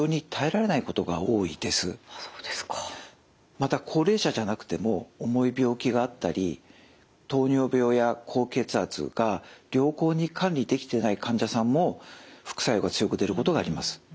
また高齢者じゃなくても重い病気があったり糖尿病や高血圧が良好に管理できていない患者さんも副作用が強く出ることがあります。